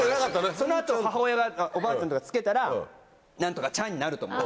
その後おばあちゃんとかが付けたら何とかちゃんになると思って。